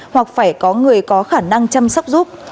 hoặc phải có người có khả năng chăm sóc giúp